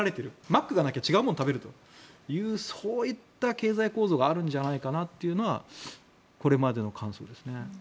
マックがなきゃ違うものを食べるというそういった経済構造があるんじゃないかなというのはこれまでの感想ですね。